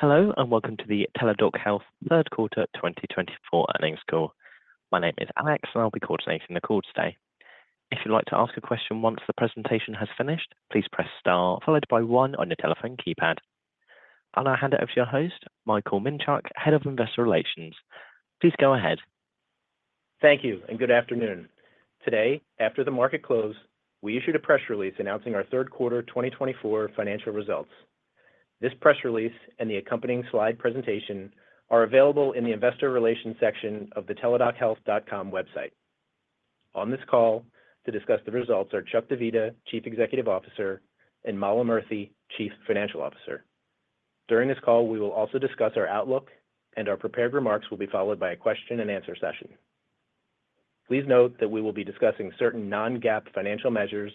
Hello and welcome to the Teladoc Health Q3 2024 earnings call. My name is Alex, and I'll be coordinating the call today. If you'd like to ask a question once the presentation has finished, please press star, followed by one on your telephone keypad. I'll now hand it over to your host, Michael Minchak, Head of Investor Relations. Please go ahead. Thank you, and good afternoon. Today, after the market close, we issued a press release announcing our Q3 2024 financial results. This press release and the accompanying slide presentation are available in the Investor Relations section of the teladochealth.com website. On this call, to discuss the results are Chuck Divita, Chief Executive Officer, and Mala Murthy, Chief Financial Officer. During this call, we will also discuss our outlook, and our prepared remarks will be followed by a question-and-answer session. Please note that we will be discussing certain non-GAAP financial measures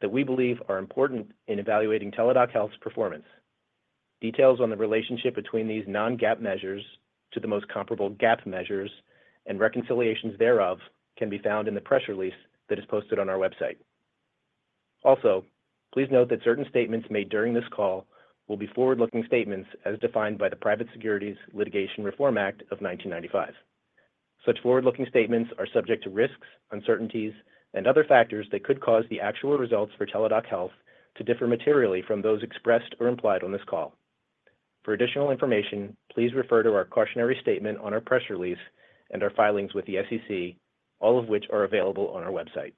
that we believe are important in evaluating Teladoc Health's performance. Details on the relationship between these non-GAAP measures to the most comparable GAAP measures and reconciliations thereof can be found in the press release that is posted on our website. Also, please note that certain statements made during this call will be forward-looking statements as defined by the Private Securities Litigation Reform Act of 1995. Such forward-looking statements are subject to risks, uncertainties, and other factors that could cause the actual results for Teladoc Health to differ materially from those expressed or implied on this call. For additional information, please refer to our cautionary statement on our press release and our filings with the SEC, all of which are available on our website.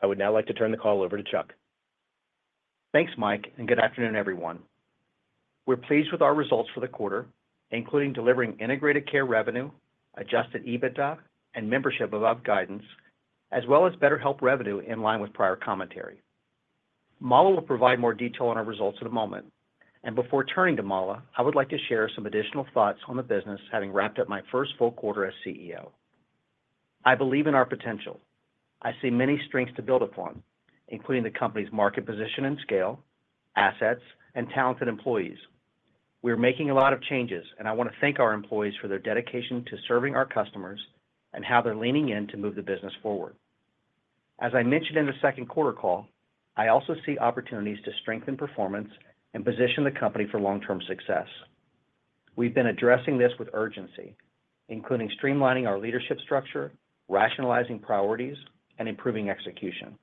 I would now like to turn the call over to Chuck. Thanks, Mike, and good afternoon, everyone. We're pleased with our results for the quarter, including delivering Integrated Care revenue, Adjusted EBITDA, and membership above guidance, as well as BetterHelp revenue in line with prior commentary. Mala will provide more detail on our results in a moment, and before turning to Mala, I would like to share some additional thoughts on the business having wrapped up my first full quarter as CEO. I believe in our potential. I see many strengths to build upon, including the company's market position and scale, assets, and talented employees. We are making a lot of changes, and I want to thank our employees for their dedication to serving our customers and how they're leaning in to move the business forward. As I mentioned in the Q2 call, I also see opportunities to strengthen performance and position the company for long-term success. We've been addressing this with urgency, including streamlining our leadership structure, rationalizing priorities, and improving execution.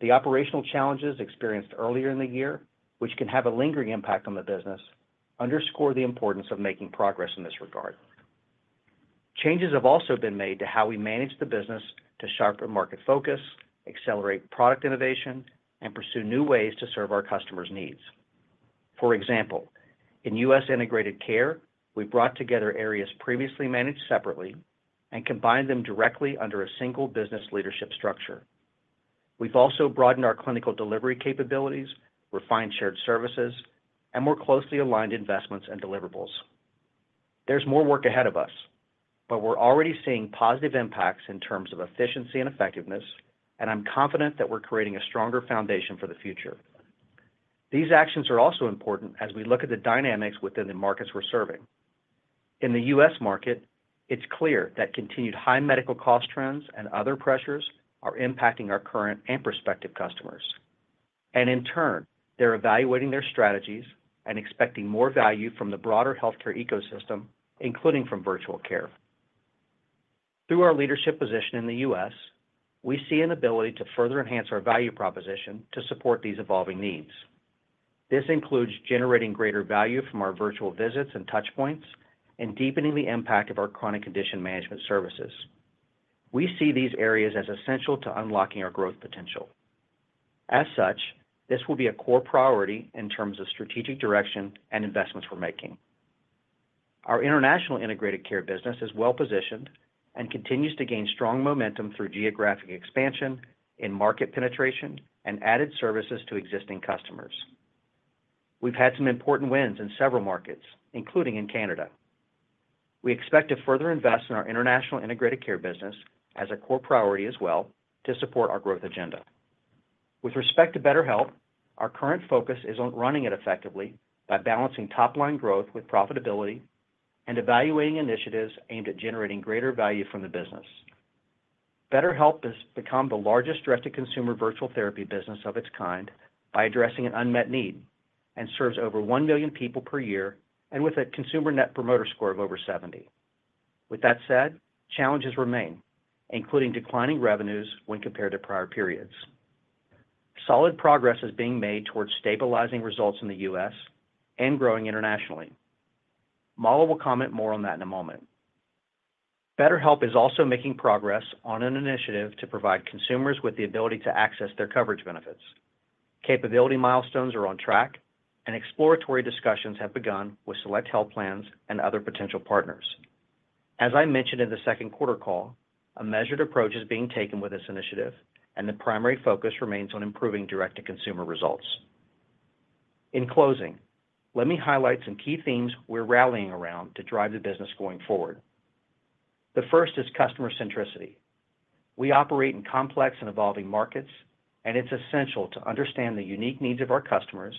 The operational challenges experienced earlier in the year, which can have a lingering impact on the business, underscore the importance of making progress in this regard. Changes have also been made to how we manage the business to sharpen market focus, accelerate product innovation, and pursue new ways to serve our customers' needs. For example, in U.S. Integrated Care, we brought together areas previously managed separately and combined them directly under a single business leadership structure. We've also broadened our clinical delivery capabilities, refined shared services, and more closely aligned investments and deliverables. There's more work ahead of us, but we're already seeing positive impacts in terms of efficiency and effectiveness, and I'm confident that we're creating a stronger foundation for the future. These actions are also important as we look at the dynamics within the markets we're serving. In the U.S. market, it's clear that continued high medical cost trends and other pressures are impacting our current and prospective customers, and in turn, they're evaluating their strategies and expecting more value from the broader healthcare ecosystem, including from virtual care. Through our leadership position in the U.S., we see an ability to further enhance our value proposition to support these evolving needs. This includes generating greater value from our virtual visits and touchpoints and deepening the impact of our chronic condition management services. We see these areas as essential to unlocking our growth potential. As such, this will be a core priority in terms of strategic direction and investments we're making. Our international Integrated Care business is well-positioned and continues to gain strong momentum through geographic expansion, market penetration, and added services to existing customers. We've had some important wins in several markets, including in Canada. We expect to further invest in our international Integrated Care business as a core priority as well to support our growth agenda. With respect to BetterHelp, our current focus is on running it effectively by balancing top-line growth with profitability and evaluating initiatives aimed at generating greater value from the business. BetterHelp has become the largest direct-to-consumer virtual therapy business of its kind by addressing an unmet need and serves over 1 million people per year and with a consumer Net Promoter Score of over 70. With that said, challenges remain, including declining revenues when compared to prior periods. Solid progress is being made towards stabilizing results in the U.S. and growing internationally. Mala will comment more on that in a moment. BetterHelp is also making progress on an initiative to provide consumers with the ability to access their coverage benefits. Capability milestones are on track, and exploratory discussions have begun with select health plans and other potential partners. As I mentioned in the Q2 call, a measured approach is being taken with this initiative, and the primary focus remains on improving direct-to-consumer results. In closing, let me highlight some key themes we're rallying around to drive the business going forward. The first is customer centricity. We operate in complex and evolving markets, and it's essential to understand the unique needs of our customers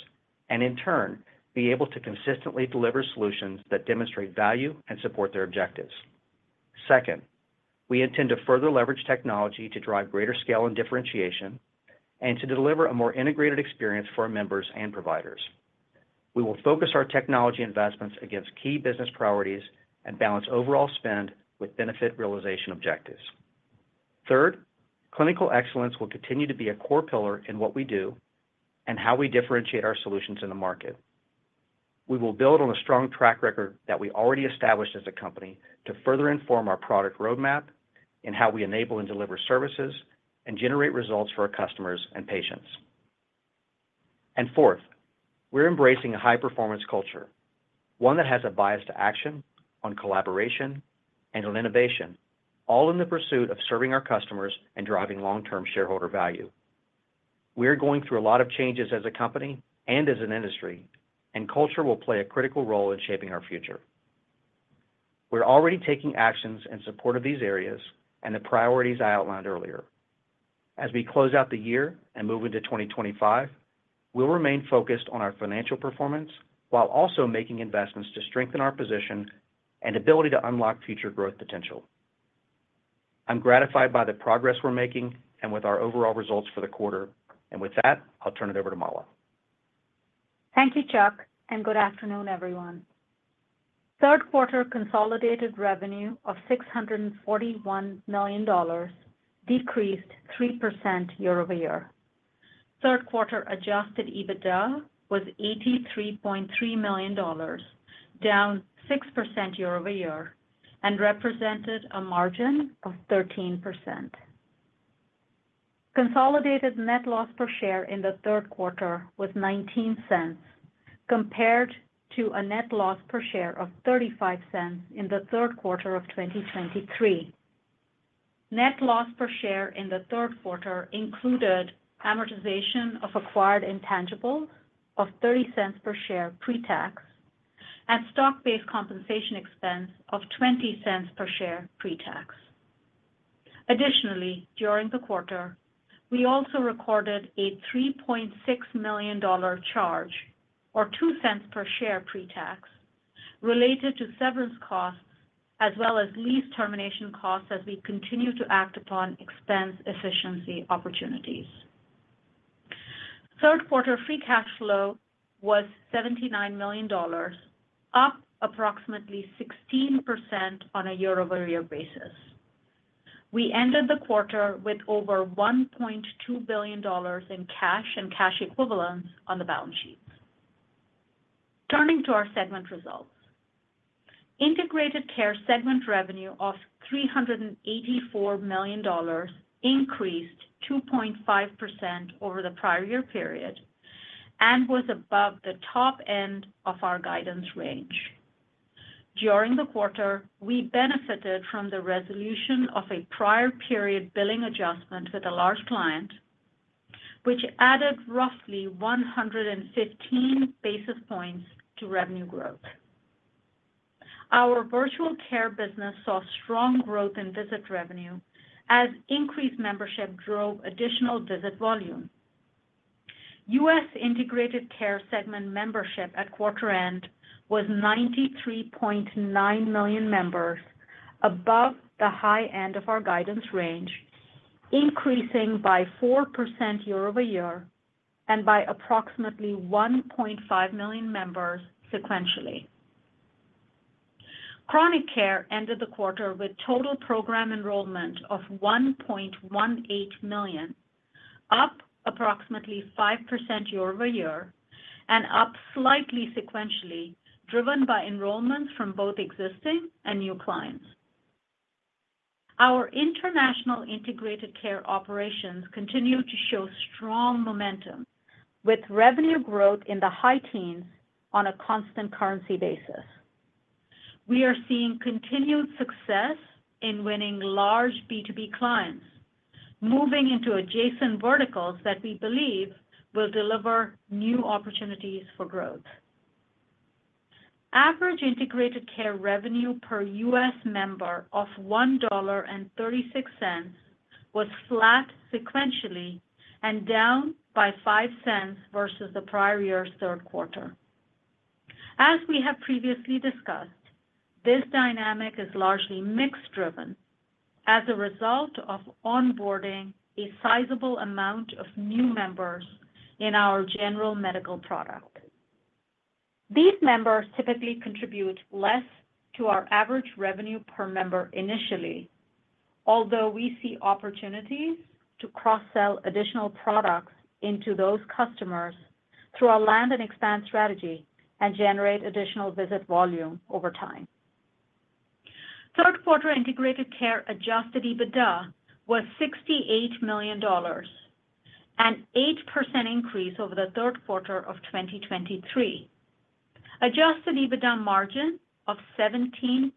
and, in turn, be able to consistently deliver solutions that demonstrate value and support their objectives. Second, we intend to further leverage technology to drive greater scale and differentiation and to deliver a more integrated experience for our members and providers. We will focus our technology investments against key business priorities and balance overall spend with benefit realization objectives. Third, clinical excellence will continue to be a core pillar in what we do and how we differentiate our solutions in the market. We will build on a strong track record that we already established as a company to further inform our product roadmap in how we enable and deliver services and generate results for our customers and patients. Fourth, we're embracing a high-performance culture, one that has a bias to action, on collaboration, and on innovation, all in the pursuit of serving our customers and driving long-term shareholder value. We are going through a lot of changes as a company and as an industry, and culture will play a critical role in shaping our future. We're already taking actions in support of these areas and the priorities I outlined earlier. As we close out the year and move into 2025, we'll remain focused on our financial performance while also making investments to strengthen our position and ability to unlock future growth potential. I'm gratified by the progress we're making and with our overall results for the quarter, and with that, I'll turn it over to Mala. Thank you, Chuck, and good afternoon, everyone. Q3 consolidated revenue of $641 million decreased 3% year-over-year. Q3 adjusted EBITDA was $83.3 million, down 6% year-over-year, and represented a margin of 13%. Consolidated net loss per share in Q3 was $0.19, compared to a net loss per share of $0.35 in Q3 of 2023. Net loss per share in Q3 included amortization of acquired intangibles of $0.30 per share pre-tax and stock-based compensation expense of $0.20 per share pre-tax. Additionally, during the quarter, we also recorded a $3.6 million charge, or $0.02 per share pre-tax, related to severance costs as well as lease termination costs as we continue to act upon expense efficiency opportunities. Q3 free cash flow was $79 million, up approximately 16% on a year-over-year basis. We ended the quarter with over $1.2 billion in cash and cash equivalents on the balance sheet. Turning to our segment results, Integrated Care segment revenue of $384 million increased 2.5% over the prior year period and was above the top end of our guidance range. During the quarter, we benefited from the resolution of a prior period billing adjustment with a large client, which added roughly 115 basis points to revenue growth. Our Virtual Care business saw strong growth in visit revenue as increased membership drove additional visit volume. U.S. Integrated Care segment membership at Q4 end was 93.9 million members, above the high end of our guidance range, increasing by 4% year-over-year and by approximately 1.5 million members sequentially. Chronic Care ended the quarter with total program enrollment of 1.18 million, up approximately 5% year-over-year and up slightly sequentially, driven by enrollments from both existing and new clients. Our international Integrated Care operations continue to show strong momentum, with revenue growth in the high teens on a constant currency basis. We are seeing continued success in winning large B2B clients, moving into adjacent verticals that we believe will deliver new opportunities for growth. Average Integrated Care revenue per U.S. member of $1.36 was flat sequentially and down by $0.05 versus the prior year's Q3. As we have previously discussed, this dynamic is largely mixed-driven as a result of onboarding a sizable amount of new members in our General Medical product. These members typically contribute less to our average revenue per member initially, although we see opportunities to cross-sell additional products into those customers through our land and expand strategy and generate additional visit volume over time. Q4 Integrated Care adjusted EBITDA was $68 million, an 8% increase over the Q3 of 2023. Adjusted EBITDA margin of 17.7%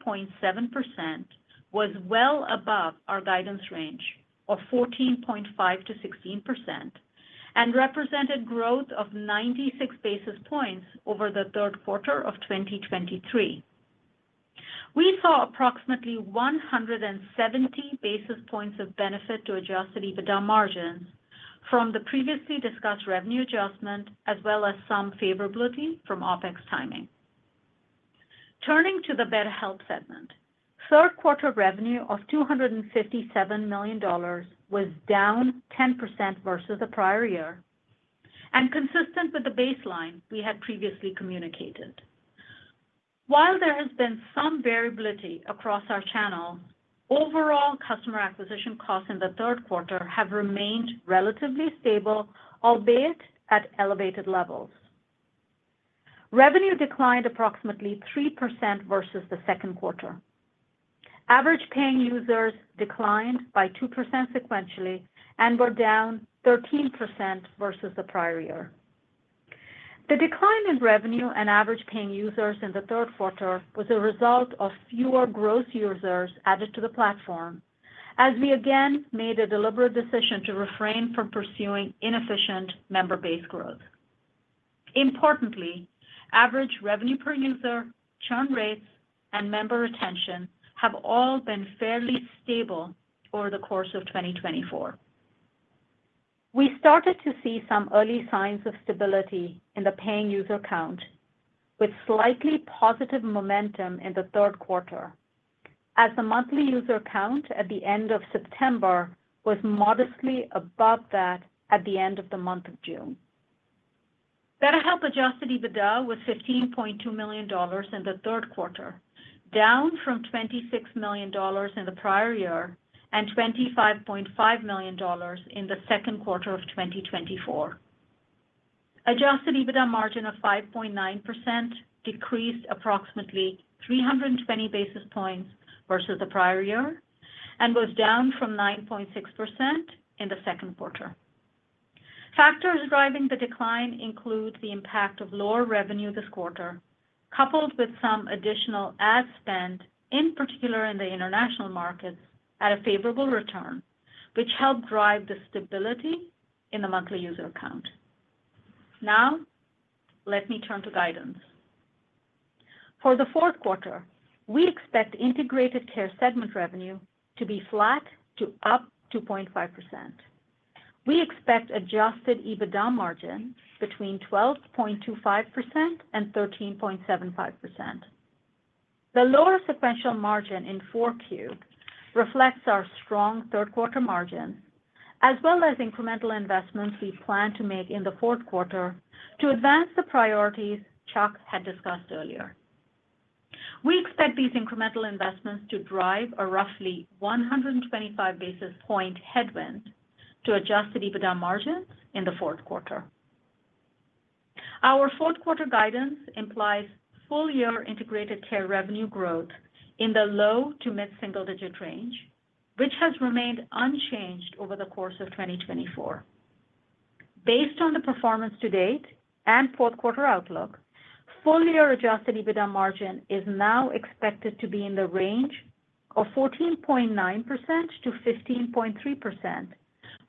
was well above our guidance range of 14.5%-16% and represented growth of 96 basis points over the Q3 of 2023. We saw approximately 170 basis points of benefit to adjusted EBITDA margins from the previously discussed revenue adjustment as well as some favorability from OpEx timing. Turning to the BetterHelp segment, Q4 revenue of $257 million was down 10% versus the prior year and consistent with the baseline we had previously communicated. While there has been some variability across our channel, overall customer acquisition costs in Q3 have remained relatively stable, albeit at elevated levels. Revenue declined approximately 3% versus the Q2. Average paying users declined by 2% sequentially and were down 13% versus the prior year. The decline in revenue and average paying users in Q4 was a result of fewer gross users added to the platform as we again made a deliberate decision to refrain from pursuing inefficient member-based growth. Importantly, average revenue per user, churn rates, and member retention have all been fairly stable over the course of 2024. We started to see some early signs of stability in the paying user count, with slightly positive momentum in Q3 as the monthly user count at the end of September was modestly above that at the end of the month of June. BetterHelp Adjusted EBITDA was $15.2 million in Q4, down from $26 million in the prior year and $25.5 million in Q2 of 2024. Adjusted EBITDA margin of 5.9% decreased approximately 320 basis points versus the prior year and was down from 9.6% in Q2. Factors driving the decline include the impact of lower revenue this quarter, coupled with some additional ad spend, in particular in the international markets, at a favorable return, which helped drive the stability in the monthly user count. Now, let me turn to guidance. For Q4, we expect Integrated Care segment revenue to be flat to up 2.5%. We expect Adjusted EBITDA margin between 12.25% and 13.75%. The lower sequential margin in Q4 reflects our strong Q3 margin as well as incremental investments we plan to make in Q4 to advance the priorities Chuck had discussed earlier. We expect these incremental investments to drive a roughly 125 basis points headwind to Adjusted EBITDA margins in Q4. Our Q4 guidance implies full-year Integrated Care revenue growth in the low to mid-single-digit range, which has remained unchanged over the course of 2024. Based on the performance to date and Q4 outlook, full-year adjusted EBITDA margin is now expected to be in the range of 14.9%-15.3%,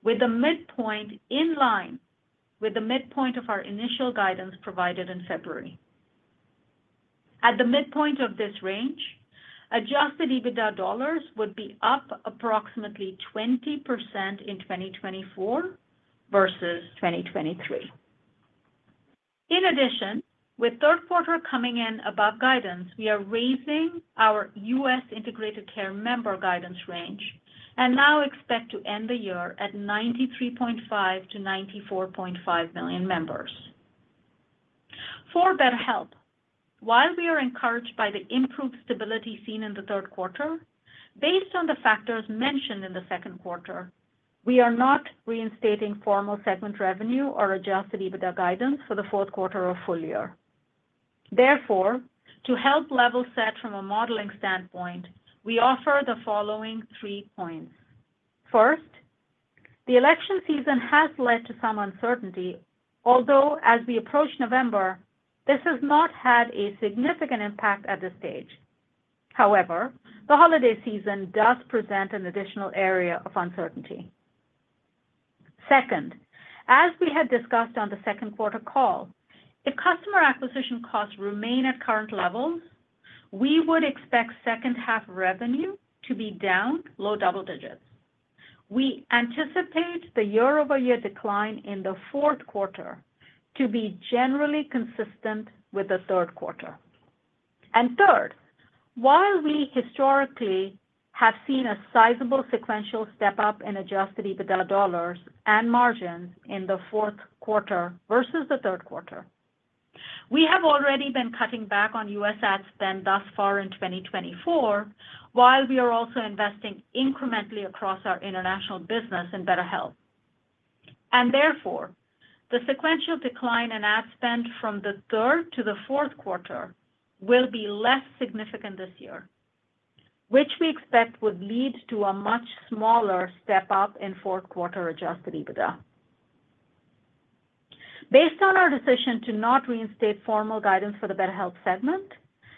with the midpoint in line with the midpoint of our initial guidance provided in February. At the midpoint of this range, adjusted EBITDA would be up approximately 20% in 2024 versus 2023. In addition, with Q4 coming in above guidance, we are raising our U.S. Integrated Care member guidance range and now expect to end the year at 93.5-94.5 million members. For BetterHelp, while we are encouraged by the improved stability seen in Q4, based on the factors mentioned in Q2, we are not reinstating formal segment revenue or adjusted EBITDA guidance for Q4 or full year. Therefore, to help level set from a modeling standpoint, we offer the following three points. First, the election season has led to some uncertainty, although as we approach November, this has not had a significant impact at this stage. However, the holiday season does present an additional area of uncertainty. Second, as we had discussed on the Q2 call, if customer acquisition costs remain at current levels, we would expect second-half revenue to be down low double digits. We anticipate the year-over-year decline in Q4 to be generally consistent with Q3. And third, while we historically have seen a sizable sequential step-up in Adjusted EBITDA and margins in Q4 versus Q3, we have already been cutting back on U.S. ad spend thus far in 2024, while we are also investing incrementally across our international business in BetterHelp. Therefore, the sequential decline in ad spend from Q3 to Q4 will be less significant this year, which we expect would lead to a much smaller step-up in Q4 Adjusted EBITDA. Based on our decision to not reinstate formal guidance for the BetterHelp segment,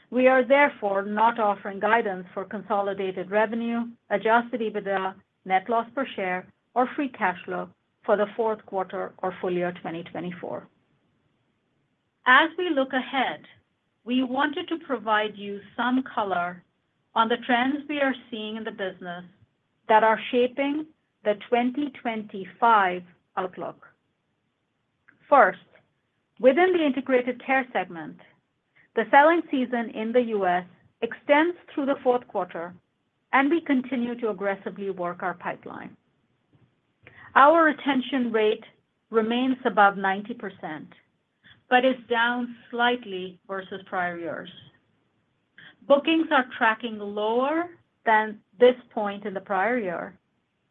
we are therefore not offering guidance for consolidated revenue, Adjusted EBITDA, Net Loss Per Share, or Free Cash Flow for Q4 or full year 2024. As we look ahead, we wanted to provide you some color on the trends we are seeing in the business that are shaping the 2025 outlook. First, within the Integrated Care segment, the selling season in the U.S. extends through Q4, and we continue to aggressively work our pipeline. Our Retention Rate remains above 90% but is down slightly versus prior years. Bookings are tracking lower than this point in the prior year,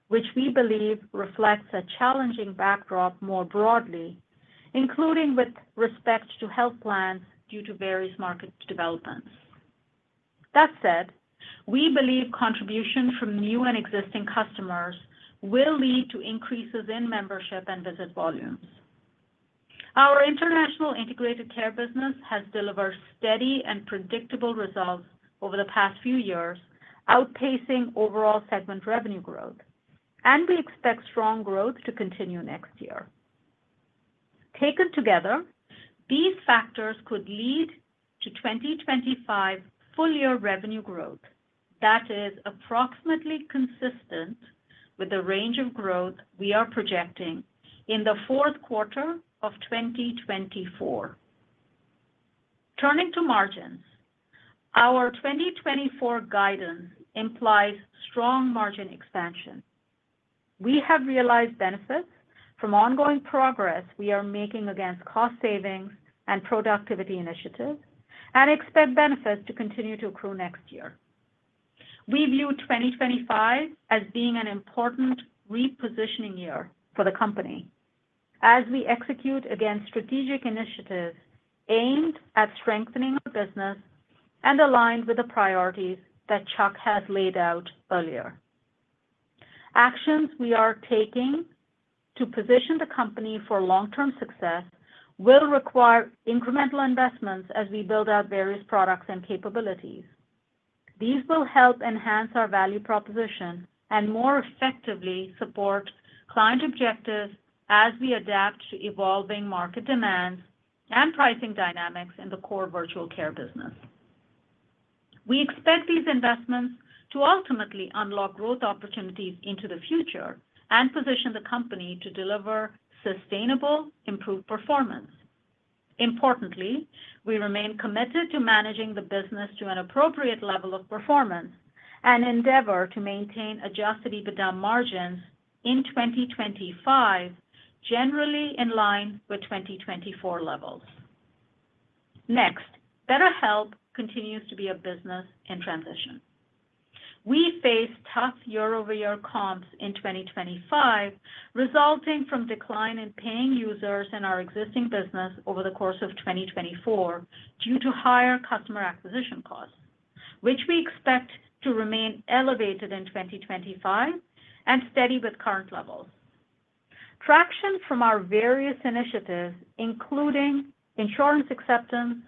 which we believe reflects a challenging backdrop more broadly, including with respect to health plans due to various market developments. That said, we believe contributions from new and existing customers will lead to increases in membership and visit volumes. Our international Integrated Care business has delivered steady and predictable results over the past few years, outpacing overall segment revenue growth, and we expect strong growth to continue next year. Taken together, these factors could lead to 2025 full-year revenue growth that is approximately consistent with the range of growth we are projecting in Q4 of 2024. Turning to margins, our 2024 guidance implies strong margin expansion. We have realized benefits from ongoing progress we are making against cost savings and productivity initiatives and expect benefits to continue to accrue next year. We view 2025 as being an important repositioning year for the company as we execute against strategic initiatives aimed at strengthening our business and aligned with the priorities that Chuck has laid out earlier. Actions we are taking to position the company for long-term success will require incremental investments as we build out various products and capabilities. These will help enhance our value proposition and more effectively support client objectives as we adapt to evolving market demands and pricing dynamics in the core virtual care business. We expect these investments to ultimately unlock growth opportunities into the future and position the company to deliver sustainable improved performance. Importantly, we remain committed to managing the business to an appropriate level of performance and endeavor to maintain Adjusted EBITDA margins in 2025, generally in line with 2024 levels. Next, BetterHelp continues to be a business in transition. We face tough year-over-year comps in 2025, resulting from decline in paying users in our existing business over the course of 2024 due to higher customer acquisition costs, which we expect to remain elevated in 2025 and steady with current levels. Traction from our various initiatives, including insurance acceptance,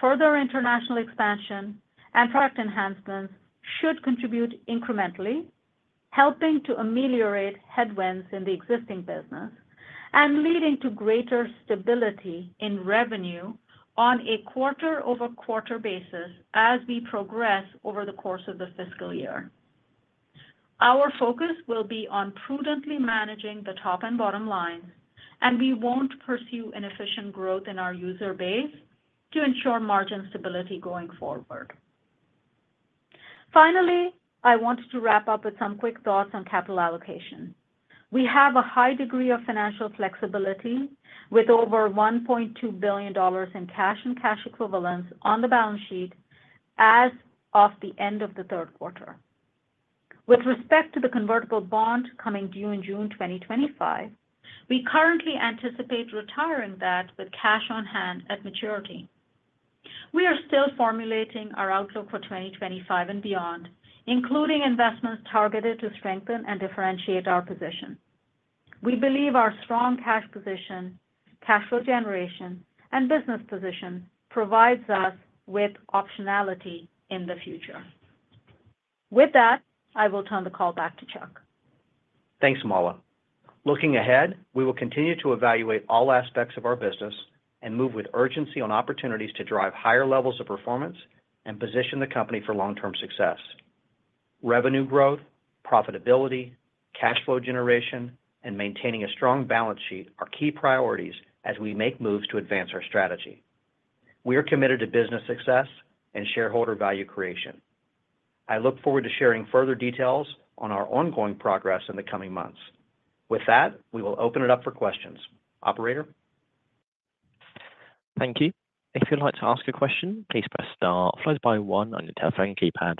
further international expansion, and product enhancements, should contribute incrementally, helping to ameliorate headwinds in the existing business and leading to greater stability in revenue on a quarter-over-quarter basis as we progress over the course of the fiscal year. Our focus will be on prudently managing the top and bottom lines, and we won't pursue inefficient growth in our user base to ensure margin stability going forward. Finally, I wanted to wrap up with some quick thoughts on capital allocation. We have a high degree of financial flexibility with over $1.2 billion in cash and cash equivalents on the balance sheet as of the end of Q4. With respect to the convertible bond coming due in June 2025, we currently anticipate retiring that with cash on hand at maturity. We are still formulating our outlook for 2025 and beyond, including investments targeted to strengthen and differentiate our position. We believe our strong cash position, cash flow generation, and business position provides us with optionality in the future. With that, I will turn the call back to Chuck. Thanks, Mala. Looking ahead, we will continue to evaluate all aspects of our business and move with urgency on opportunities to drive higher levels of performance and position the company for long-term success. Revenue growth, profitability, cash flow generation, and maintaining a strong balance sheet are key priorities as we make moves to advance our strategy. We are committed to business success and shareholder value creation. I look forward to sharing further details on our ongoing progress in the coming months. With that, we will open it up for questions. Operator? Thank you. If you'd like to ask a question, please press star, followed by one on your telephone keypad.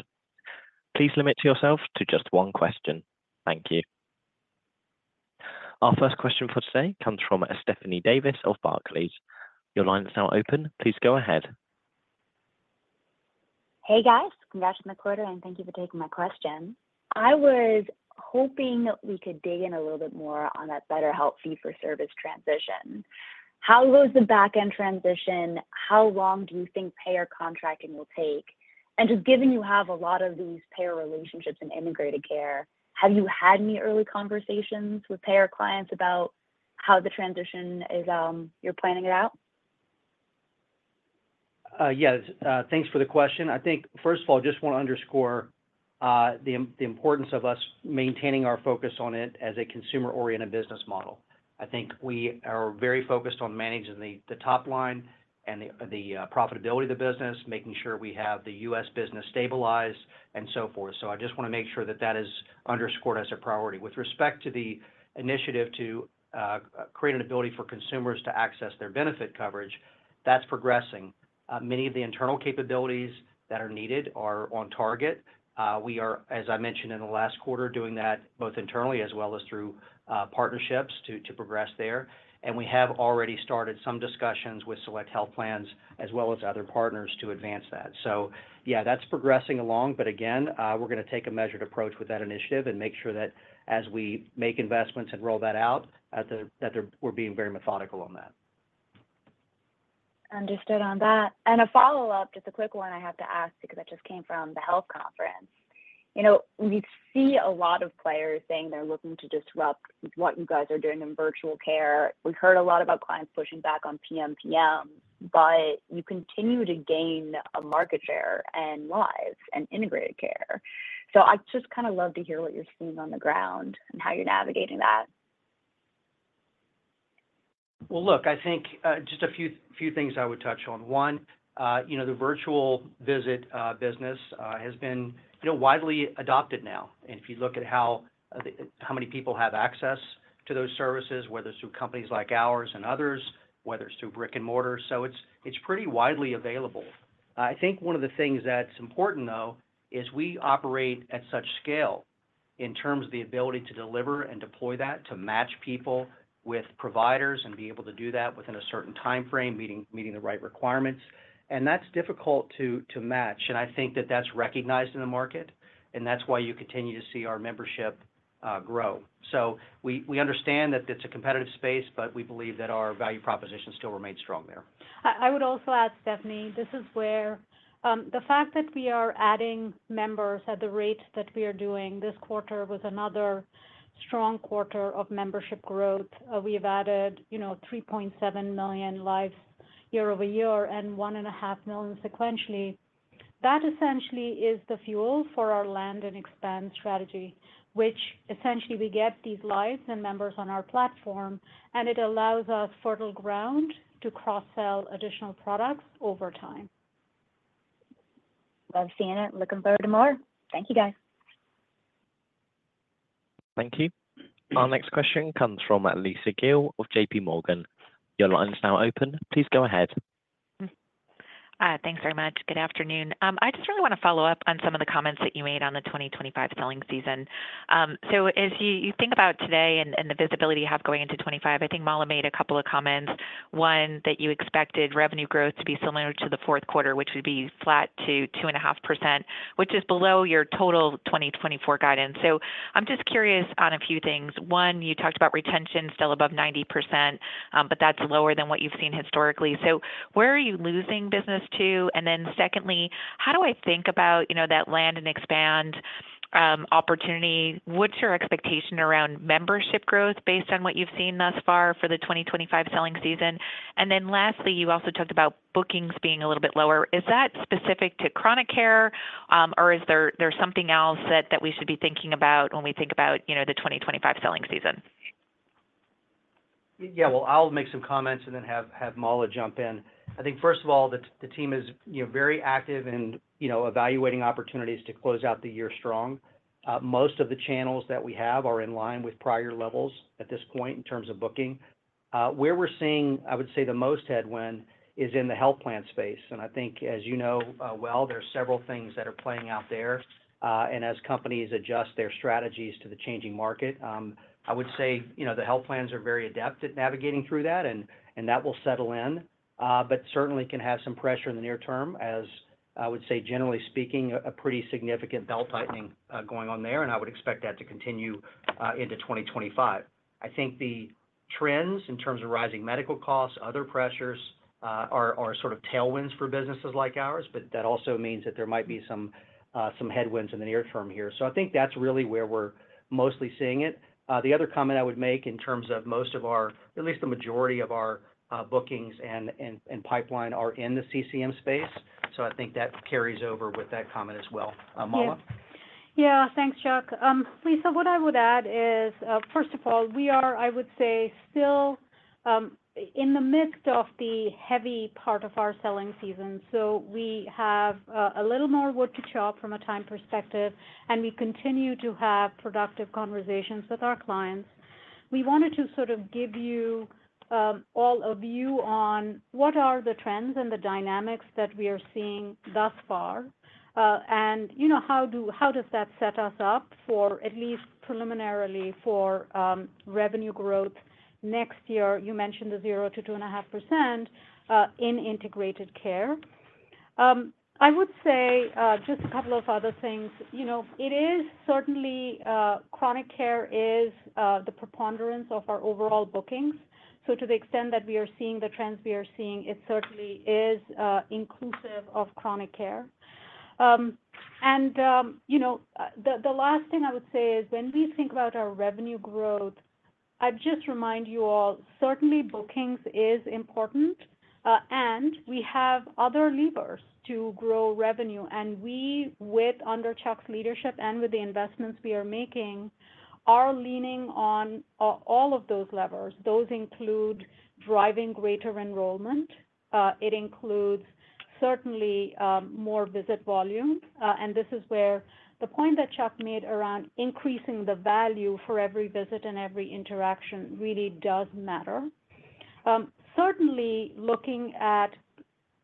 Please limit yourself to just one question. Thank you. Our first question for today comes from Stephanie Davis of Barclays. Your line is now open. Please go ahead. Hey, guys. Congratulations on the quarter, and thank you for taking my question. I was hoping we could dig in a little bit more on that BetterHelp fee-for-service transition. How goes the back-end transition? How long do you think payer contracting will take? And just given you have a lot of these payer relationships in Integrated Care, have you had any early conversations with payer clients about how the transition is you're planning it out? Yes. Thanks for the question. I think, first of all, I just want to underscore the importance of us maintaining our focus on it as a consumer-oriented business model. I think we are very focused on managing the top line and the profitability of the business, making sure we have the U.S. business stabilized, and so forth. So I just want to make sure that that is underscored as a priority. With respect to the initiative to create an ability for consumers to access their benefit coverage, that's progressing. Many of the internal capabilities that are needed are on target. We are, as I mentioned in the last quarter, doing that both internally as well as through partnerships to progress there, and we have already started some discussions with select health plans as well as other partners to advance that. So, yeah, that's progressing along, but again, we're going to take a measured approach with that initiative and make sure that as we make investments and roll that out, that we're being very methodical on that. Understood on that, and a follow-up, just a quick one I have to ask because that just came from the health conference. You see a lot of players saying they're looking to disrupt what you guys are doing in virtual care. We heard a lot about clients pushing back on PMPM, but you continue to gain market share and lives in Integrated Care. So I'd just kind of love to hear what you're seeing on the ground and how you're navigating that? Well, look, I think just a few things I would touch on. One, the virtual visit business has been widely adopted now, and if you look at how many people have access to those services, whether it's through companies like ours and others, whether it's through brick and mortar, so it's pretty widely available. I think one of the things that's important, though, is we operate at such scale in terms of the ability to deliver and deploy that to match people with providers and be able to do that within a certain timeframe, meeting the right requirements, and that's difficult to match, and I think that that's recognized in the market, and that's why you continue to see our membership grow. So we understand that it's a competitive space, but we believe that our value proposition still remains strong there. I would also add, Stephanie, this is where the fact that we are adding members at the rate that we are doing this quarter was another strong quarter of membership growth. We have added 3.7 million lives year-over-year and 1.5 million sequentially. That essentially is the fuel for our land and expand strategy, which essentially we get these lives and members on our platform, and it allows us fertile ground to cross-sell additional products over time. I've seen it. Looking forward to more. Thank you, guys. Thank you. Our next question comes from Lisa Gill of J.P. Morgan. Your line is now open. Please go ahead. Thanks very much. Good afternoon. I just really want to follow up on some of the comments that you made on the 2025 selling season. So as you think about today and the visibility you have going into 2025, I think Mala made a couple of comments. One, that you expected revenue growth to be similar to the fourth quarter, which would be flat to 2.5%, which is below your total 2024 guidance. So I'm just curious on a few things. One, you talked about retention still above 90%, but that's lower than what you've seen historically. So where are you losing business to? And then secondly, how do I think about that land and expand opportunity? What's your expectation around membership growth based on what you've seen thus far for the 2025 selling season? And then lastly, you also talked about bookings being a little bit lower. Is that specific to Chronic Care, or is there something else that we should be thinking about when we think about the 2025 selling season? Yeah. I'll make some comments and then have Mala jump in. I think, first of all, the team is very active in evaluating opportunities to close out the year strong. Most of the channels that we have are in line with prior levels at this point in terms of booking. Where we're seeing, I would say, the most headwind is in the health plan space, and I think, as you know well, there are several things that are playing out there, and as companies adjust their strategies to the changing market, I would say the health plans are very adept at navigating through that, and that will settle in, but certainly can have some pressure in the near term as, I would say, generally speaking, a pretty significant belt tightening going on there, and I would expect that to continue into 2025. I think the trends in terms of rising medical costs, other pressures are sort of tailwinds for businesses like ours, but that also means that there might be some headwinds in the near term here. So I think that's really where we're mostly seeing it. The other comment I would make in terms of most of our, at least the majority of our bookings and pipeline are in the CCM space. So I think that carries over with that comment as well. Mala? Yeah. Thanks, Chuck. Lisa, what I would add is, first of all, we are, I would say, still in the midst of the heavy part of our selling season. So we have a little more wood to chop from a time perspective, and we continue to have productive conversations with our clients. We wanted to sort of give you all a view on what are the trends and the dynamics that we are seeing thus far, and how does that set us up for, at least preliminarily, for revenue growth next year. You mentioned the 0%-2.5% in Integrated Care. I would say just a couple of other things. It is certainly Chronic Care is the preponderance of our overall bookings, so to the extent that we are seeing the trends we are seeing, it certainly is inclusive of Chronic Care, and the last thing I would say is when we think about our revenue growth, I'd just remind you all, certainly bookings is important, and we have other levers to grow revenue, and we, with under Chuck's leadership and with the investments we are making, are leaning on all of those levers. Those include driving greater enrollment. It includes certainly more visit volume. And this is where the point that Chuck made around increasing the value for every visit and every interaction really does matter. Certainly, looking at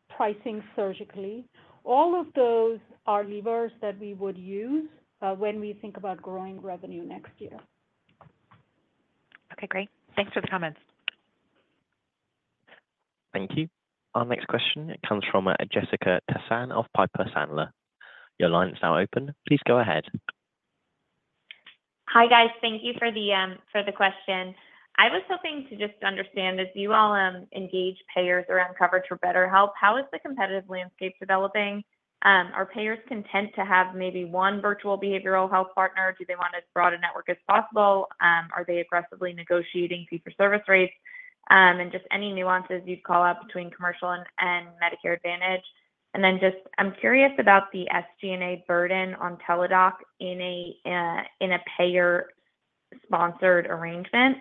pricing surgically, all of those are levers that we would use when we think about growing revenue next year. Okay. Great. Thanks for the comments. Thank you. Our next question comes from Jessica Tassan of Piper Sandler. Your line is now open. Please go ahead. Hi, guys. Thank you for the question. I was hoping to just understand, as you all engage payers around coverage for BetterHelp, how is the competitive landscape developing? Are payers content to have maybe one virtual behavioral health partner? Do they want as broad a network as possible? Are they aggressively negotiating fee-for-service rates? And just any nuances you'd call out between commercial and Medicare Advantage? And then just I'm curious about the SG&A burden on Teladoc in a payer-sponsored arrangement,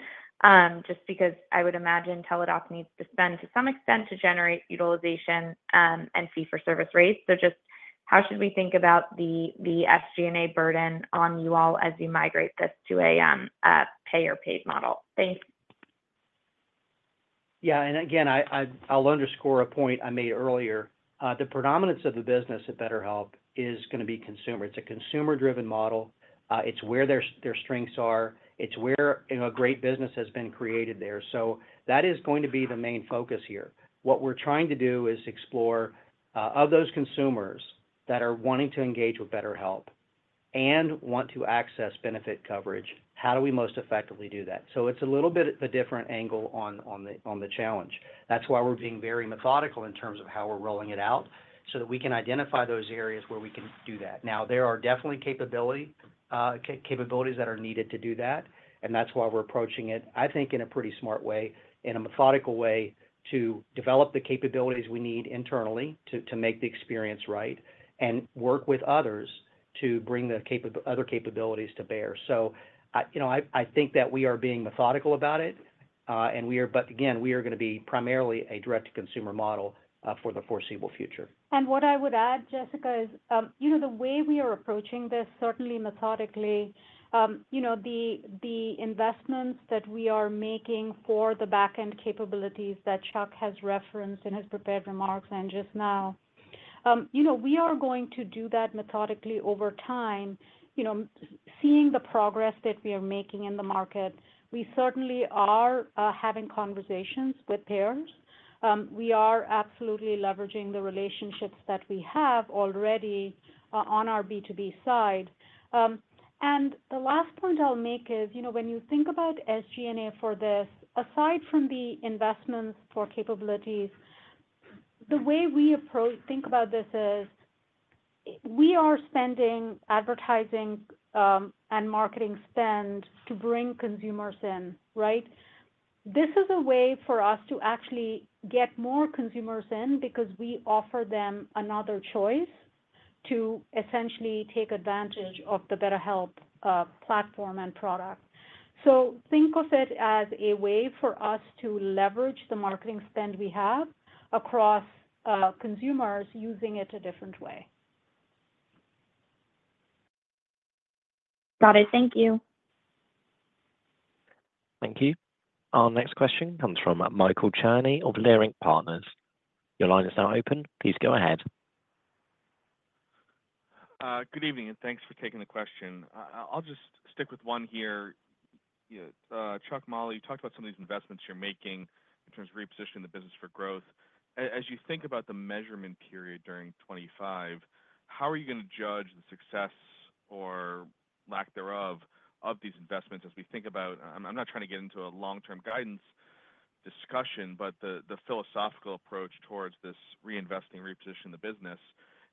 just because I would imagine Teladoc needs to spend to some extent to generate utilization and fee-for-service rates. So just how should we think about the SG&A burden on you all as you migrate this to a payer-paid model? Thanks. Yeah. And again, I'll underscore a point I made earlier. The predominance of the business at BetterHelp is going to be consumer. It's a consumer-driven model. It's where their strengths are. It's where a great business has been created there. So that is going to be the main focus here. What we're trying to do is explore, of those consumers that are wanting to engage with BetterHelp and want to access benefit coverage, how do we most effectively do that? So it's a little bit of a different angle on the challenge. That's why we're being very methodical in terms of how we're rolling it out so that we can identify those areas where we can do that. Now, there are definitely capabilities that are needed to do that, and that's why we're approaching it, I think, in a pretty smart way, in a methodical way to develop the capabilities we need internally to make the experience right and work with others to bring the other capabilities to bear. So I think that we are being methodical about it. And again, we are going to be primarily a direct-to-consumer model for the foreseeable future. And what I would add, Jessica, is the way we are approaching this, certainly methodically, the investments that we are making for the back-end capabilities that Chuck has referenced in his prepared remarks and just now, we are going to do that methodically over time. Seeing the progress that we are making in the market, we certainly are having conversations with payers. We are absolutely leveraging the relationships that we have already on our B2B side. And the last point I'll make is, when you think about SG&A for this, aside from the investments for capabilities, the way we think about this is we are spending advertising and marketing spend to bring consumers in, right? This is a way for us to actually get more consumers in because we offer them another choice to essentially take advantage of the BetterHelp platform and product. So think of it as a way for us to leverage the marketing spend we have across consumers using it a different way. Got it. Thank you. Thank you. Our next question comes from Michael Cherney of Leerink Partners. Your line is now open. Please go ahead. Good evening, and thanks for taking the question. I'll just stick with one here. Chuck, Mala, you talked about some of these investments you're making in terms of repositioning the business for growth. As you think about the measurement period during 2025, how are you going to judge the success or lack thereof of these investments as we think about, I'm not trying to get into a long-term guidance discussion, but the philosophical approach towards this reinvesting, repositioning the business,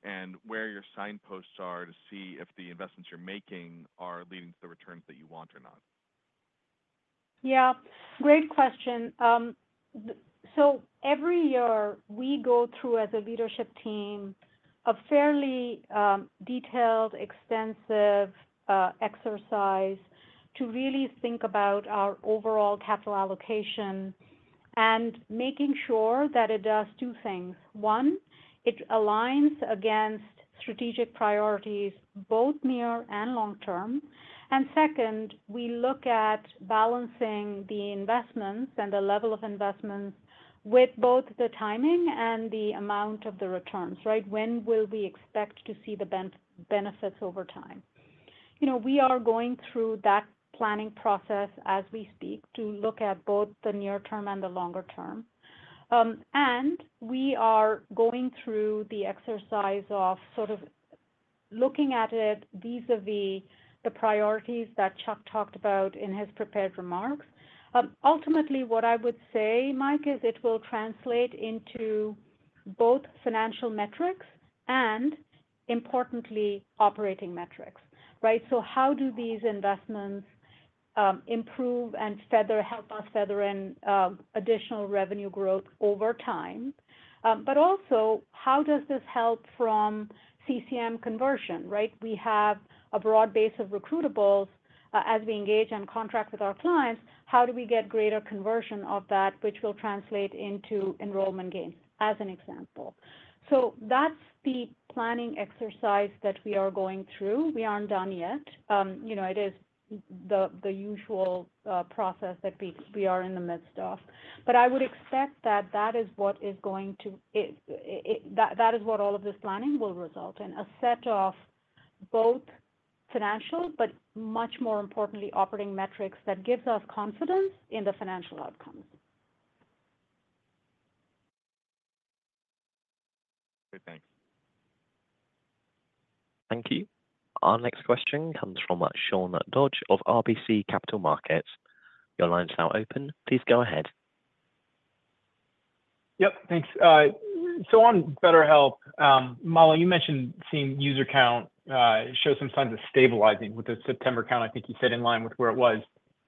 and where your signposts are to see if the investments you're making are leading to the returns that you want or not? Yeah. Great question. So every year, we go through, as a leadership team, a fairly detailed, extensive exercise to really think about our overall capital allocation and making sure that it does two things. One, it aligns against strategic priorities, both near and long term. Second, we look at balancing the investments and the level of investments with both the timing and the amount of the returns, right? When will we expect to see the benefits over time? We are going through that planning process as we speak to look at both the near term and the longer term. We are going through the exercise of sort of looking at it vis-à-vis the priorities that Chuck talked about in his prepared remarks. Ultimately, what I would say, Mike, is it will translate into both financial metrics and, importantly, operating metrics, right? How do these investments improve and help us feather in additional revenue growth over time? Also, how does this help from CCM conversion, right? We have a broad base of recruitables. As we engage and contract with our clients, how do we get greater conversion of that, which will translate into enrollment gains, as an example? So that's the planning exercise that we are going through. We aren't done yet. It is the usual process that we are in the midst of. But I would expect that that is what all of this planning will result in: a set of both financial, but much more importantly, operating metrics that gives us confidence in the financial outcomes. Great. Thanks. Thank you. Our next question comes from Sean Dodge of RBC Capital Markets. Your line is now open. Please go ahead. Yep. Thanks. So on BetterHelp, Mala, you mentioned seeing user count show some signs of stabilizing with the September count, I think you said, in line with where it was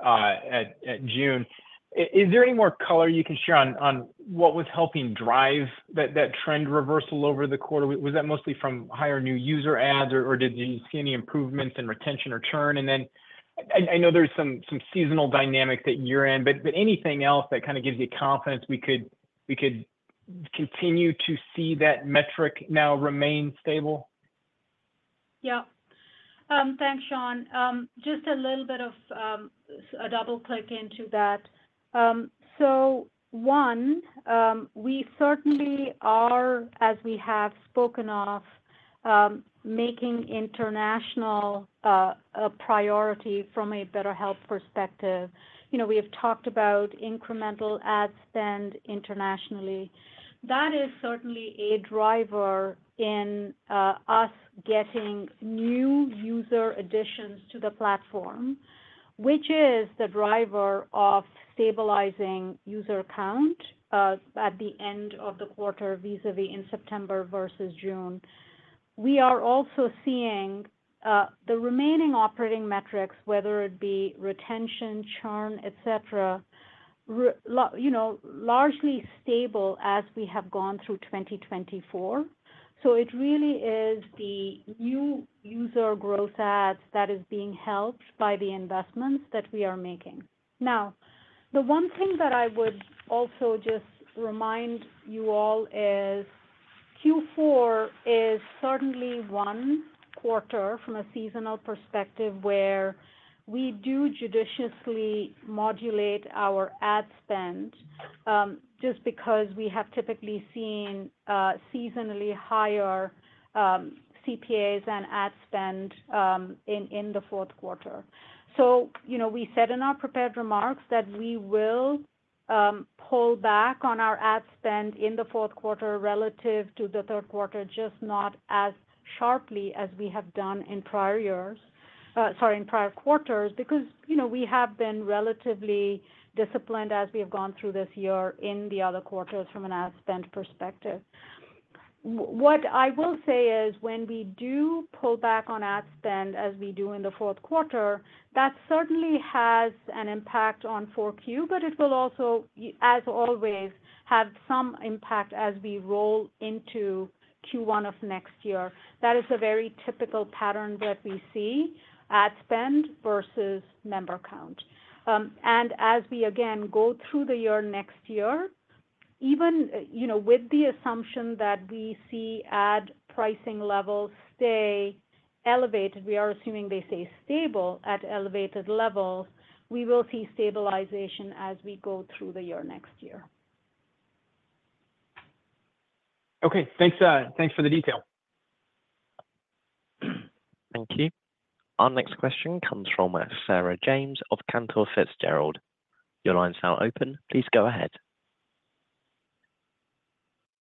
at June. Is there any more color you can share on what was helping drive that trend reversal over the quarter? Was that mostly from higher new user ads, or did you see any improvements in retention or churn? And then I know there's some seasonal dynamic that you're in, but anything else that kind of gives you confidence we could continue to see that metric now remain stable? Yeah. Thanks, Sean. Just a little bit of a double-click into that. So one, we certainly are, as we have spoken of, making international a priority from a BetterHelp perspective. We have talked about incremental ad spend internationally. That is certainly a driver in us getting new user additions to the platform, which is the driver of stabilizing user count at the end of the quarter vis-à-vis in September versus June. We are also seeing the remaining operating metrics, whether it be retention, churn, etc., largely stable as we have gone through 2024, so it really is the new user growth ads that is being helped by the investments that we are making. Now, the one thing that I would also just remind you all is Q4 is certainly one quarter from a seasonal perspective where we do judiciously modulate our ad spend just because we have typically seen seasonally higher CPAs and ad spend in the fourth quarter, so we said in our prepared remarks that we will pull back on our ad spend in the fourth quarter relative to the third quarter, just not as sharply as we have done in prior years, sorry, in prior quarters, because we have been relatively disciplined as we have gone through this year in the other quarters from an ad spend perspective. What I will say is when we do pull back on ad spend as we do in the fourth quarter, that certainly has an impact on 4Q, but it will also, as always, have some impact as we roll into Q1 of next year. That is a very typical pattern that we see: ad spend versus member count. And as we, again, go through the year next year, even with the assumption that we see ad pricing levels stay elevated, we are assuming they stay stable at elevated levels, we will see stabilization as we go through the year next year. Okay. Thanks for the detail. Thank you. Our next question comes from Sarah James of Cantor Fitzgerald. Your line is now open. Please go ahead.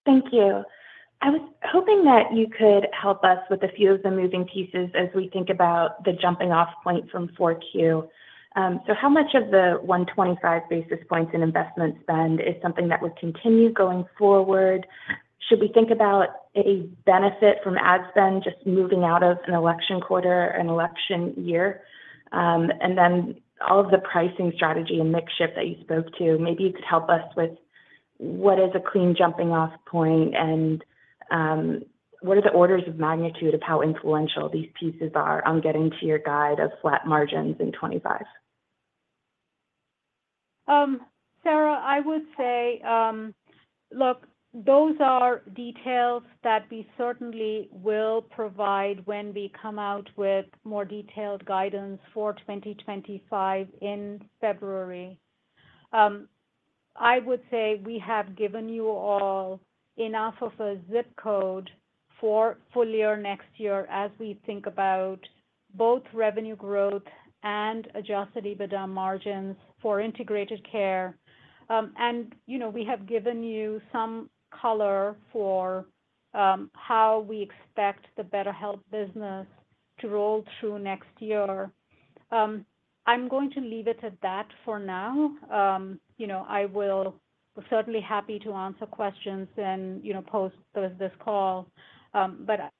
Thank you. I was hoping that you could help us with a few of the moving pieces as we think about the jumping-off point from 4Q. So how much of the 125 basis points in investment spend is something that would continue going forward? Should we think about a benefit from ad spend just moving out of an election quarter or an election year? And then all of the pricing strategy and makeshift that you spoke to, maybe you could help us with what is a clean jumping-off point and what are the orders of magnitude of how influential these pieces are on getting to your guide of flat margins in 2025? Sarah, I would say, look, those are details that we certainly will provide when we come out with more detailed guidance for 2025 in February. I would say we have given you all enough of a zip code for full year next year as we think about both revenue growth and Adjusted EBITDA margins for Integrated Care. And we have given you some color for how we expect the BetterHelp business to roll through next year. I'm going to leave it at that for now. I will be certainly happy to answer questions after this call. But.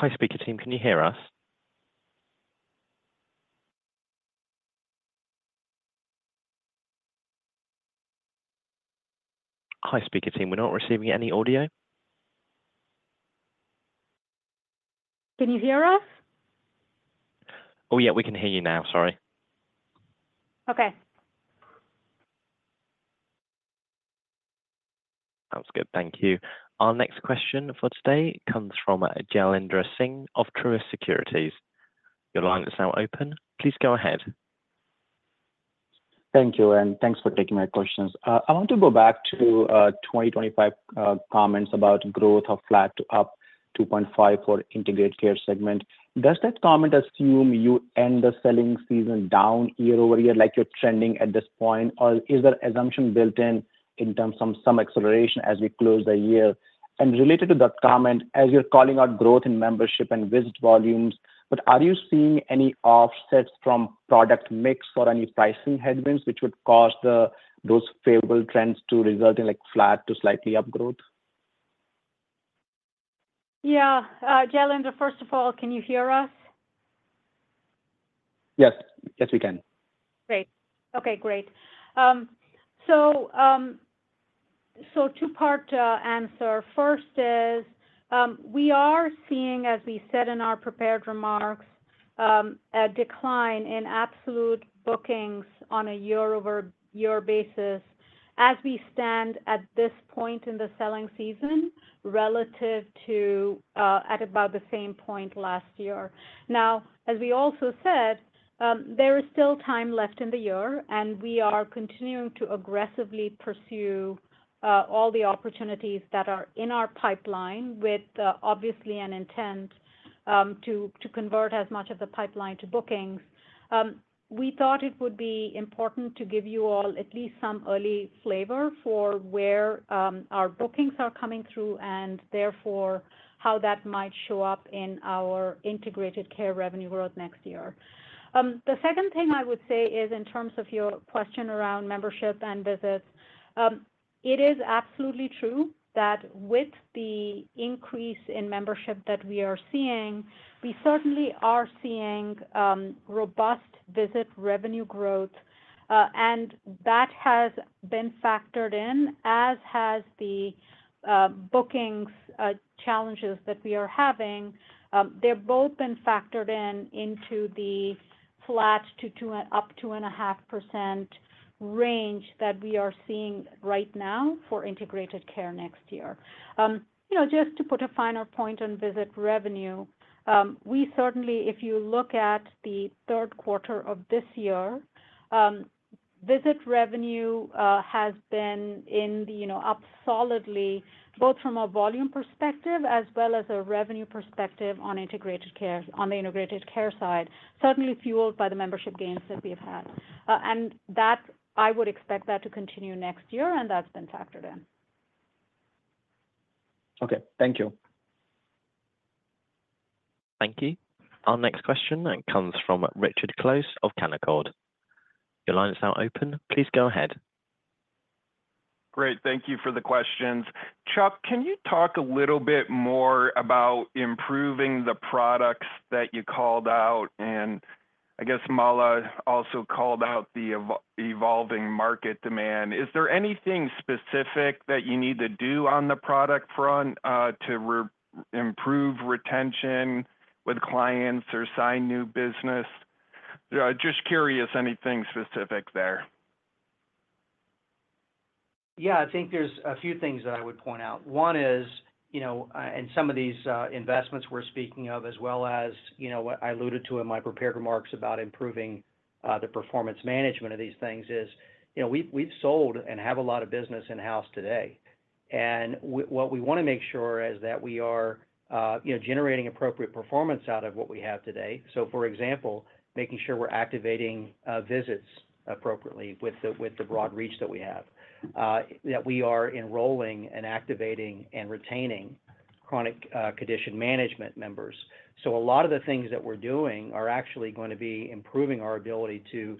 Hi, speaker team. Can you hear us? Hi, speaker team. We're not receiving any audio. Can you hear us? Oh, yeah. We can hear you now. Sorry. Okay. Sounds good. Thank you. Our next question for today comes from Jailendra Singh of Truist Securities. Your line is now open. Please go ahead. Thank you and thanks for taking my questions. I want to go back to 2025 comments about growth of flat to up 2.5% for Integrated Care segment. Does that comment assume you end the selling season down year over year like you're trending at this point, or is there assumption built in terms of some acceleration as we close the year? And related to that comment, as you're calling out growth in membership and visit volumes, but are you seeing any offsets from product mix or any pricing headwinds which would cause those favorable trends to result in flat to slightly up growth? Yeah. Jailendra, first of all, can you hear us? Yes. Yes, we can. Great. Okay. Great. So two-part answer. First is we are seeing, as we said in our prepared remarks, a decline in absolute bookings on a year-over-year basis as we stand at this point in the selling season relative to at about the same point last year. Now, as we also said, there is still time left in the year, and we are continuing to aggressively pursue all the opportunities that are in our pipeline with, obviously, an intent to convert as much of the pipeline to bookings. We thought it would be important to give you all at least some early flavor for where our bookings are coming through and therefore how that might show up in our Integrated Care revenue growth next year. The second thing I would say is in terms of your question around membership and visits. It is absolutely true that with the increase in membership that we are seeing, we certainly are seeing robust visit revenue growth, and that has been factored in, as has the bookings challenges that we are having. They've both been factored in into the flat to up 2.5% range that we are seeing right now for Integrated Care next year. Just to put a finer point on visit revenue, we certainly, if you look at the third quarter of this year, visit revenue has been up solidly, both from a volume perspective as well as a revenue perspective on Integrated Care, on the Integrated Care side, certainly fueled by the membership gains that we have had. And I would expect that to continue next year, and that's been factored in. Okay. Thank you. Thank you. Our next question comes from Richard Close of Canaccord. Your line is now open. Please go ahead. Great. Thank you for the questions. Chuck, can you talk a little bit more about improving the products that you called out? And I guess Mala also called out the evolving market demand. Is there anything specific that you need to do on the product front to improve retention with clients or sign new business? Just curious, anything specific there? Yeah. I think there's a few things that I would point out. One is, and some of these investments we're speaking of, as well as what I alluded to in my prepared remarks about improving the performance management of these things, is we've sold and have a lot of business in-house today. What we want to make sure is that we are generating appropriate performance out of what we have today. For example, making sure we're activating visits appropriately with the broad reach that we have, that we are enrolling and activating and retaining chronic condition management members. A lot of the things that we're doing are actually going to be improving our ability to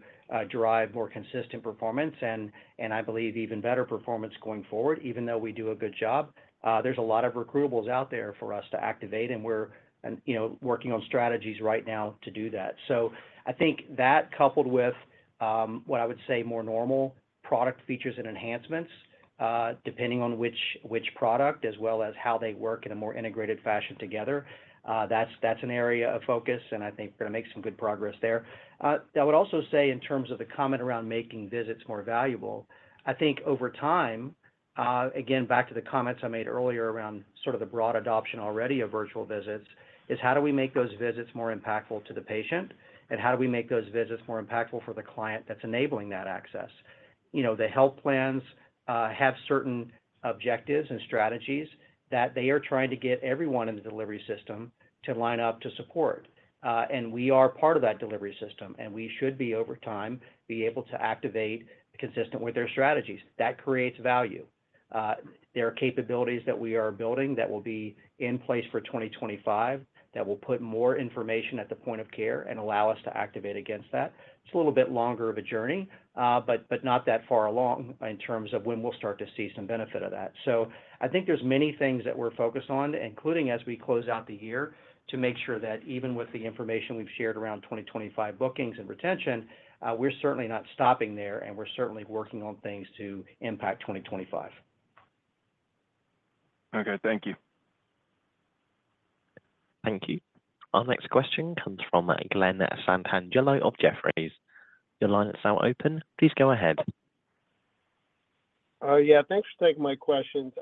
drive more consistent performance and, I believe, even better performance going forward, even though we do a good job. There's a lot of recruitables out there for us to activate, and we're working on strategies right now to do that. So I think that, coupled with what I would say more normal product features and enhancements, depending on which product, as well as how they work in a more integrated fashion together, that's an area of focus, and I think we're going to make some good progress there. I would also say, in terms of the comment around making visits more valuable, I think over time, again, back to the comments I made earlier around sort of the broad adoption already of virtual visits, is how do we make those visits more impactful to the patient, and how do we make those visits more impactful for the client that's enabling that access? The health plans have certain objectives and strategies that they are trying to get everyone in the delivery system to line up to support. We are part of that delivery system, and we should be, over time, be able to activate consistent with their strategies. That creates value. There are capabilities that we are building that will be in place for 2025 that will put more information at the point of care and allow us to activate against that. It's a little bit longer of a journey, but not that far along in terms of when we'll start to see some benefit of that. So I think there's many things that we're focused on, including as we close out the year, to make sure that even with the information we've shared around 2025 bookings and retention, we're certainly not stopping there, and we're certainly working on things to impact 2025. Okay. Thank you. Thank you. Our next question comes from Glen Santangelo of Jefferies. Your line is now open. Please go ahead. Yeah. Thanks for taking my questions.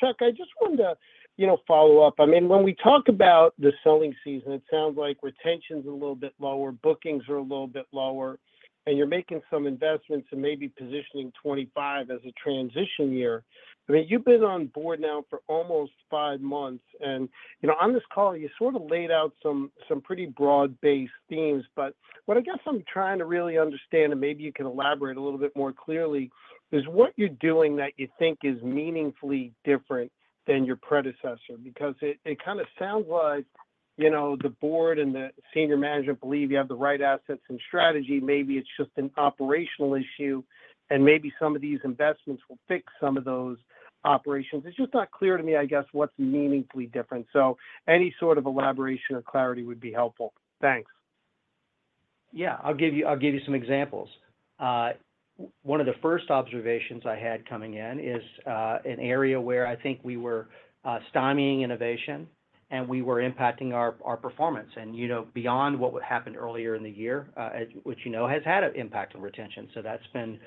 Chuck, I just want to follow up. I mean, when we talk about the selling season, it sounds like retention's a little bit lower, bookings are a little bit lower, and you're making some investments and maybe positioning 2025 as a transition year. I mean, you've been on board now for almost five months, and on this call, you sort of laid out some pretty broad-based themes. But what I guess I'm trying to really understand, and maybe you can elaborate a little bit more clearly, is what you're doing that you think is meaningfully different than your predecessor? Because it kind of sounds like the board and the senior management believe you have the right assets and strategy. Maybe it's just an operational issue, and maybe some of these investments will fix some of those operations. It's just not clear to me, I guess, what's meaningfully different, so any sort of elaboration or clarity would be helpful. Thanks. Yeah. I'll give you some examples. One of the first observations I had coming in is an area where I think we were stymieing innovation, and we were impacting our performance and beyond what happened earlier in the year, which has had an impact on retention, so that's been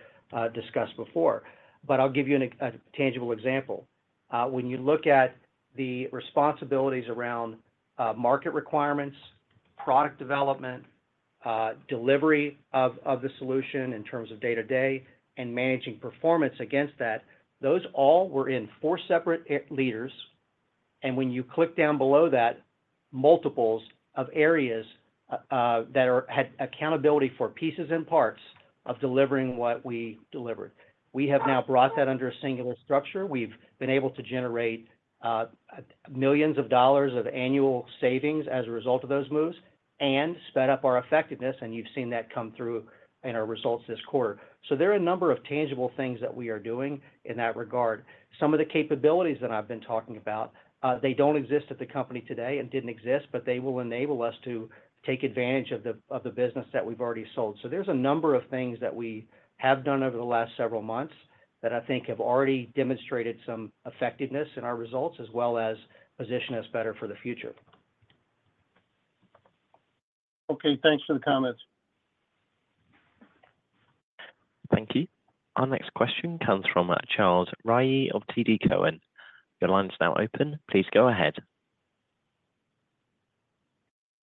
discussed before, but I'll give you a tangible example. When you look at the responsibilities around market requirements, product development, delivery of the solution in terms of day-to-day, and managing performance against that, those all were in four separate leaders, and when you click down below that, multiples of areas that had accountability for pieces and parts of delivering what we delivered. We have now brought that under a singular structure. We've been able to generate millions of dollars of annual savings as a result of those moves and sped up our effectiveness, and you've seen that come through in our results this quarter. So there are a number of tangible things that we are doing in that regard. Some of the capabilities that I've been talking about, they don't exist at the company today and didn't exist, but they will enable us to take advantage of the business that we've already sold. So there's a number of things that we have done over the last several months that I think have already demonstrated some effectiveness in our results as well as position us better for the future. Okay. Thanks for the comments. Thank you. Our next question comes from Charles Rhyee of TD Cowen. Your line's now open. Please go ahead.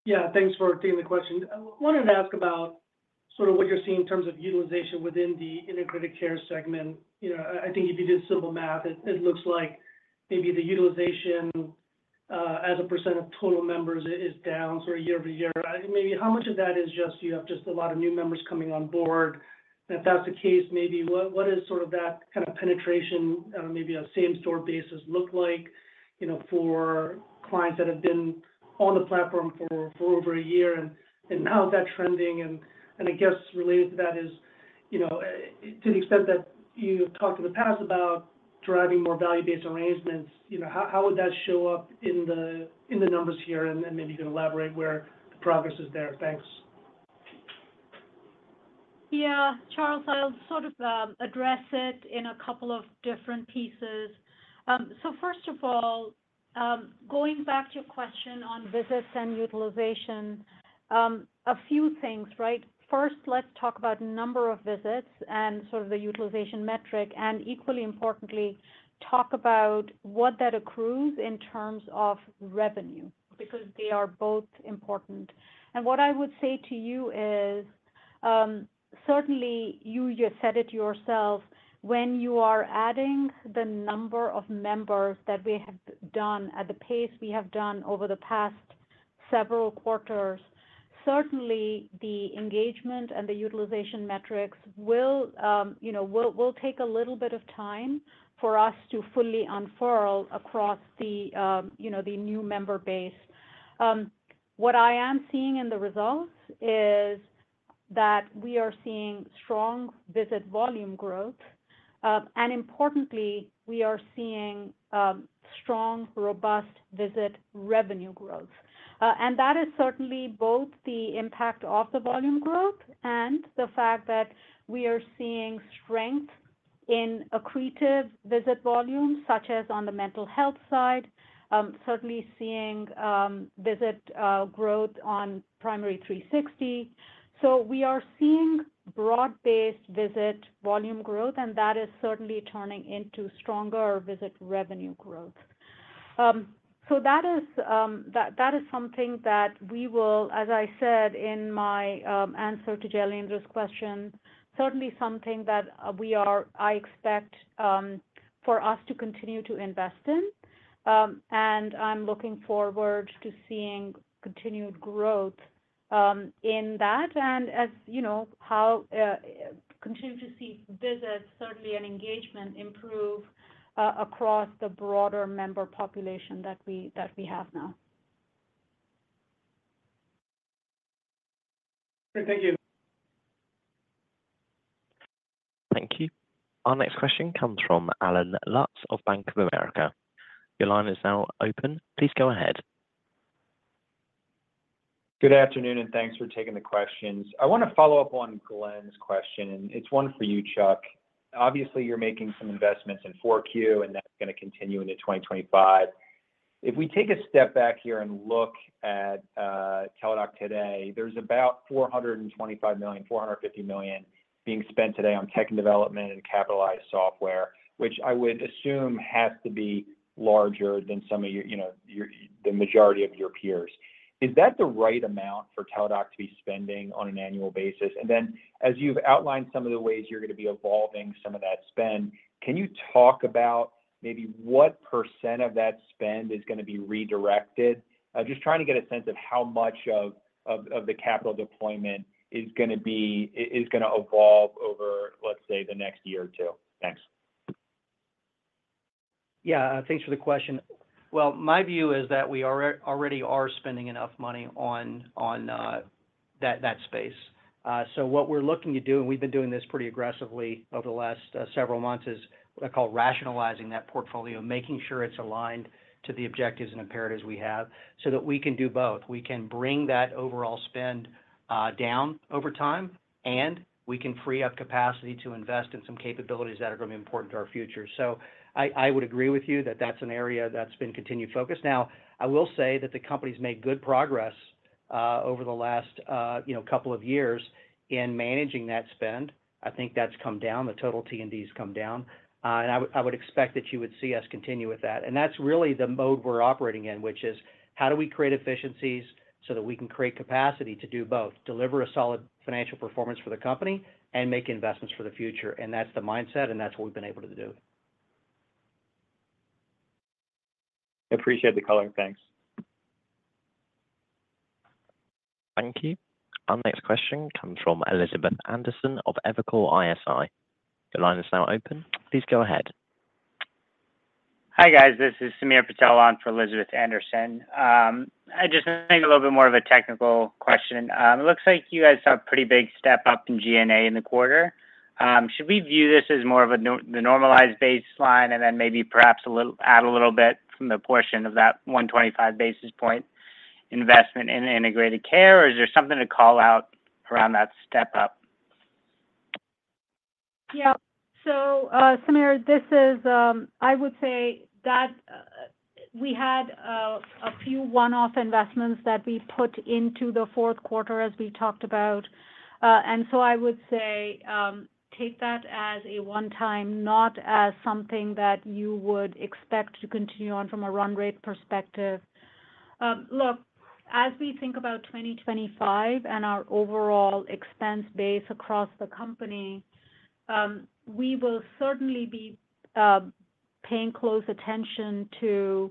Yeah. Thanks for taking the question. I wanted to ask about sort of what you're seeing in terms of utilization within the Integrated Care segment. I think if you did simple math, it looks like maybe the utilization as a % of total members is down sort of year over year. Maybe how much of that is just you have just a lot of new members coming on board? And if that's the case, maybe what does sort of that kind of penetration, maybe a same-store basis look like for clients that have been on the platform for over a year? And how is that trending? And I guess related to that is, to the extent that you've talked in the past about driving more value-based arrangements, how would that show up in the numbers here? And then maybe you can elaborate where the progress is there. Thanks. Yeah. Charles. I'll sort of address it in a couple of different pieces. So first of all, going back to your question on visits and utilization, a few things, right? First, let's talk about number of visits and sort of the utilization metric. And equally importantly, talk about what that accrues in terms of revenue because they are both important. And what I would say to you is, certainly, you just said it yourself, when you are adding the number of members that we have done at the pace we have done over the past several quarters, certainly, the engagement and the utilization metrics will take a little bit of time for us to fully unfurl across the new member base. What I am seeing in the results is that we are seeing strong visit volume growth. And importantly, we are seeing strong, robust visit revenue growth. And that is certainly both the impact of the volume growth and the fact that we are seeing strength in accretive visit volume, such as on the mental health side, certainly seeing visit growth on Primary360. We are seeing broad-based visit volume growth, and that is certainly turning into stronger visit revenue growth. That is something that we will, as I said in my answer to Jailendra's question, certainly something that I expect for us to continue to invest in. I am looking forward to seeing continued growth in that and continue to see visits, certainly, and engagement improve across the broader member population that we have now. Thank you. Thank you. Our next question comes from Allen Lutz of Bank of America. Your line is now open. Please go ahead. Good afternoon, and thanks for taking the questions. I want to follow up on Glen's question. It's one for you, Chuck. Obviously, you're making some investments in 4Q, and that's going to continue into 2025. If we take a step back here and look at Teladoc today, there's about $425 million-$450 million being spent today on tech and development and capitalized software, which I would assume has to be larger than some of the majority of your peers. Is that the right amount for Teladoc to be spending on an annual basis? And then, as you've outlined some of the ways you're going to be evolving some of that spend, can you talk about maybe what % of that spend is going to be redirected? Just trying to get a sense of how much of the capital deployment is going to evolve over, let's say, the next year or two. Thanks. Yeah. Thanks for the question. My view is that we already are spending enough money on that space. What we're looking to do, and we've been doing this pretty aggressively over the last several months, is what I call rationalizing that portfolio, making sure it's aligned to the objectives and imperatives we have so that we can do both. We can bring that overall spend down over time, and we can free up capacity to invest in some capabilities that are going to be important to our future. I would agree with you that that's an area that's been continued focus. Now, I will say that the company's made good progress over the last couple of years in managing that spend. I think that's come down. The total T&D has come down. I would expect that you would see us continue with that. And that's really the mode we're operating in, which is how do we create efficiencies so that we can create capacity to do both, deliver a solid financial performance for the company, and make investments for the future. And that's the mindset, and that's what we've been able to do. Appreciate the color. Thanks. Thank you. Our next question comes from Elizabeth Anderson of Evercore ISI. Your line is now open. Please go ahead. Hi, guys. This is Samir Patel on for Elizabeth Anderson. I just think a little bit more of a technical question. It looks like you guys saw a pretty big step up in G&A in the quarter. Should we view this as more of the normalized baseline and then maybe perhaps add a little bit from the portion of that 125 basis point investment in Integrated Care, or is there something to call out around that step up? Yeah. So, Samir, this is. I would say that we had a few one-off investments that we put into the fourth quarter, as we talked about. And so I would say take that as a one-time, not as something that you would expect to continue on from a run-rate perspective. Look, as we think about 2025 and our overall expense base across the company, we will certainly be paying close attention to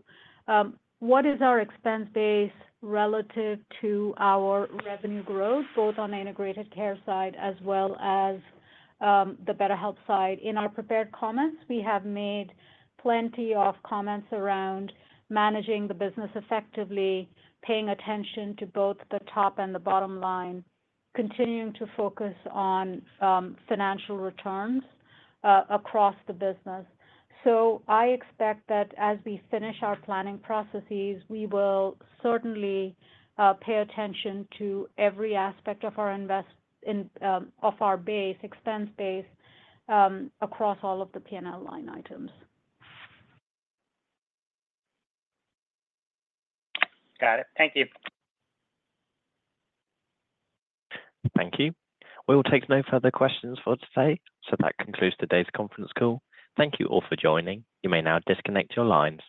what is our expense base relative to our revenue growth, both on the Integrated Care side as well as the BetterHelp side. In our prepared comments, we have made plenty of comments around managing the business effectively, paying attention to both the top and the bottom line, continuing to focus on financial returns across the business. So I expect that as we finish our planning processes, we will certainly pay attention to every aspect of our base, expense base, across all of the P&L line items. Got it. Thank you. Thank you. We will take no further questions for today. So that concludes today's conference call. Thank you all for joining. You may now disconnect your lines.